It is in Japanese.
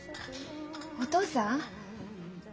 お父さん？